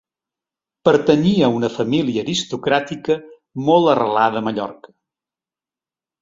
Pertanyia a una família aristocràtica molt arrelada a Mallorca.